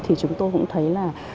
thì chúng tôi cũng thấy là